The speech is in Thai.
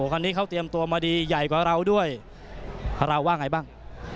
คันนี้เขาเตรียมตัวมาดีใหญ่กว่าเราด้วยเราว่าไงบ้าง